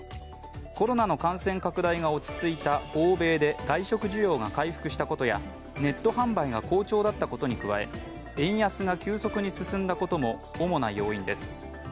コロナの感染拡大が落ち着いた欧米で外食需要が回復したことやネット販売が好調だったことに加え円安が急速に進んだことも主な要因です。